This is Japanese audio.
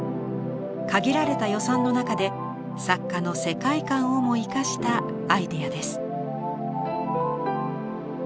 限られた予算の中で作家の世界観をも生かしたアイデアです。